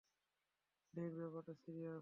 ডেইন, ব্যাপারটা সিরিয়াস।